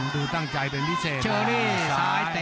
ดูตั้งใจเป็นพิเศษ